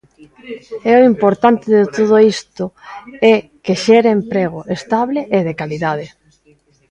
E o importante de todo isto é que xere emprego estable e de calidade.